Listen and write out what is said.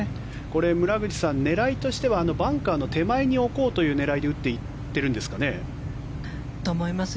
これ、村口さん狙いとしてはバンカーの手前に置こうという狙いで打っていってるんですかね。と思います。